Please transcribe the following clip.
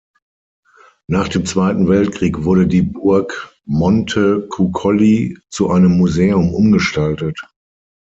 Nach dem Zweiten Weltkrieg wurde die Burg Montecuccoli zu einem Museum umgestaltet.